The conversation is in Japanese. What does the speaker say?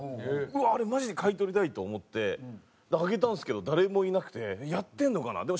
うわーあれマジで買い取りたいと思って開けたんですけど誰もいなくてやってるのかな